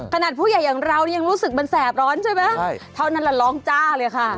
ขนาดผู้ใหญ่อย่างเรายังรู้สึกมันแสบร้อนใช่ไหมเท่านั้นแหละร้องจ้าเลยค่ะ